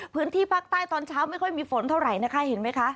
พื้นที่ภาคใต้ตอนเช้าไม่ค่อยมีฝนเท่าไหร่นะคะเห็นไหมคะ